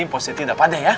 impositi dapat deh ya